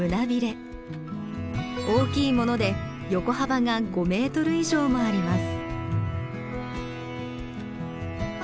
大きいもので横幅が５メートル以上もあります。